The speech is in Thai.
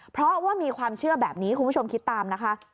เพราะว่ามีความเชื่อแบบนี้คุณผู้ชมคิดตามนะคะ